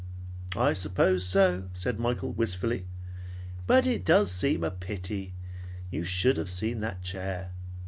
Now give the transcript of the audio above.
"I suppose so," said Michael wistfully, "But it does seem a pity. You should have seen that chair."